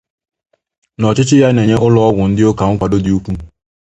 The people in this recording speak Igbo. na ọchịchị ya na-enye ụlọọgwụ ndị ụka nkwàdo dị ukwu